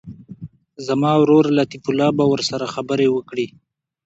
زما ورور لطیف الله به ورسره خبرې وکړي.